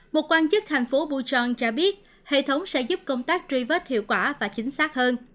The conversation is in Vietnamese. một quan chức thành phố buchon cho biết hệ thống sẽ giúp công tác truy vết hiệu quả và chính xác hơn